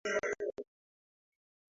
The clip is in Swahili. na kuishi maisha ambayo yatakupunguzia